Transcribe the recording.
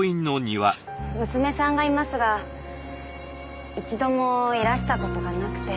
娘さんがいますが一度もいらした事がなくて。